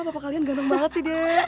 papa kalian ganteng banget sih de